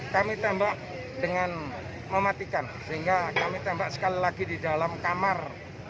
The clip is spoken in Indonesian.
kami tembak dengan mematikan sehingga kami tembak sekali lagi di dalam kamar